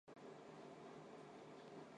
西汉泰山郡刚县人。